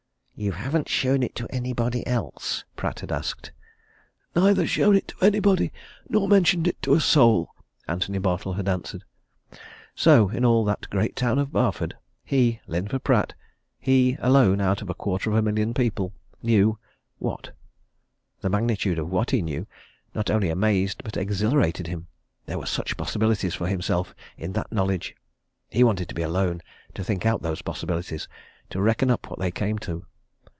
"You haven't shown it to anybody else?" Pratt had asked. "Neither shown it to anybody, nor mentioned it to a soul," Antony Bartle had answered. So, in all that great town of Barford, he, Linford Pratt, he, alone out of a quarter of a million people, knew what? The magnitude of what he knew not only amazed but exhilarated him. There were such possibilities for himself in that knowledge. He wanted to be alone, to think out those possibilities; to reckon up what they came to.